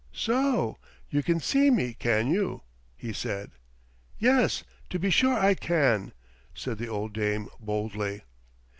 "So you can see me, can you?" he said. "Yes, to be sure I can," said the old dame boldly.